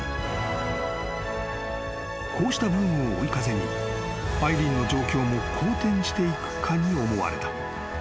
［こうしたブームを追い風にアイリーンの状況も好転していくかに思われた］